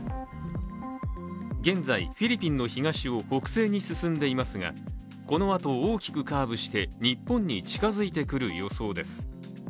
現在、フィリピンの東を北西に進んでいますがこのあと、大きくカーブして日本に近づいてくる予想です。